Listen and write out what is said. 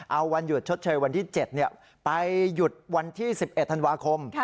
เอาวันหยุดชดเชยวันที่๗ไปหยุดวันที่๑๑ธันวาคม